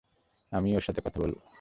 আমি ওর সাথে কথা বলবো।